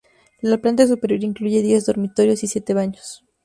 La planta superior incluye diez dormitorios y siete baños.